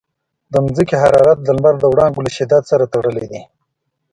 د ځمکې حرارت د لمر د وړانګو له شدت سره تړلی دی.